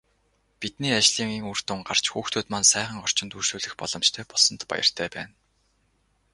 Бидний ажлын үр дүн гарч, хүүхдүүд маань сайхан орчинд үйлчлүүлэх боломжтой болсонд баяртай байна.